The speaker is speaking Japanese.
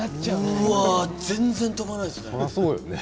全然、飛ばないですね。